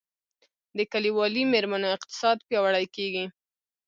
د کلیوالي میرمنو اقتصاد پیاوړی کیږي